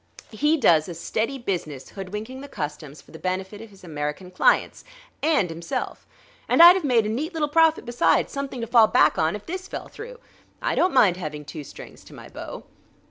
He does a steady business hoodwinking the Customs for the benefit of his American clients and himself. And I'd've made a neat little profit besides: something to fall back on, if this fell through. I don't mind having two strings to my bow."